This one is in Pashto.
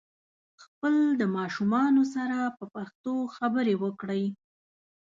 خپل د ماشومانو سره په پښتو خبري وکړئ